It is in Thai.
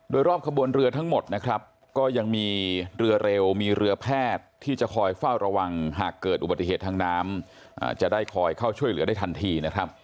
โดยรอบขบวนเรือทั้งหมดนะครับก็ยังมีเรือเร็วมีเรือแพทย์ที่จะคอยเฝ้าระวังหากเกิดอุบัติเหตุทางน้ำจะได้คอยเข้าช่วยเหลือได้ทันทีนะครับ